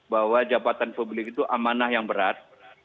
bahwa jabatan publik itu amanah yang berat